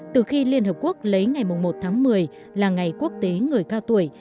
từ khi liên hợp quốc lấy ngày một tháng một mươi là ngày quốc tế người cao tuổi